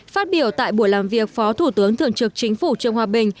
phát biểu tại buổi làm việc phó thủ tướng thường trực chính phủ trương hòa bình